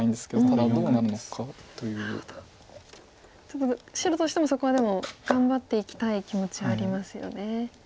ちょっと白としてもそこはでも頑張っていきたい気持ちはありますよね。